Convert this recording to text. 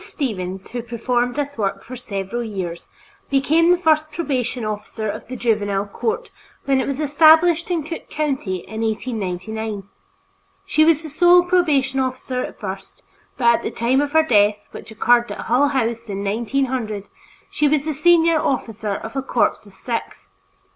Stevens, who performed this work for several years, became the first probation officer of the Juvenile Court when it was established in Cook County in 1899. She was the sole probation officer at first, but at the time of her death, which occurred at Hull House in 1900, she was the senior officer of a corps of six.